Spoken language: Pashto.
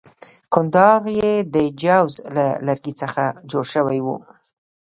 کنداغ یې د جوز له لرګي څخه جوړ شوی وو.